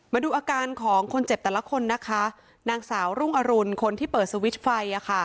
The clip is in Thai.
มาดูอาการของคนเจ็บแต่ละคนนะคะนางสาวรุ่งอรุณคนที่เปิดสวิตช์ไฟ